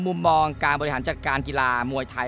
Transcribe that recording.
มุมมองการบริหารจัดการกีฬามวยไทย